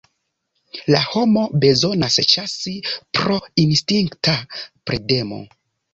La homo bezonas ĉasi pro instinkta predemo.